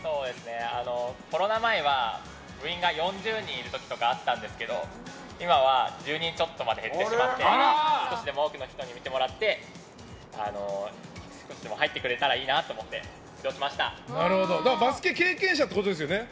コロナ前は４０人いる時とかあったんですが今は１０人ちょっとまで減ってしまって少しでも多くの人に見てもらって入ってくれたらいいなと思ってバスケ経験者ってことですよね。